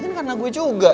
kan karena gue juga